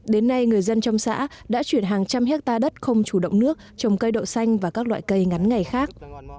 đến nay người dân trong xã đã chuyển hàng trăm hectare đất không chủ động nước trồng cây đậu xanh và các loại cây ngắn ngày khác